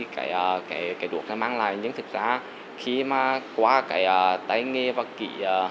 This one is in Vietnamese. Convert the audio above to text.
cái đuốc này mang lại nhưng thực ra khi mà qua cái tay nghề và kỹ